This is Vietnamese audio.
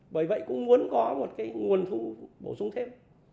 bởi vậy cũng muốn có một cái nguồn thu bổ sung thêm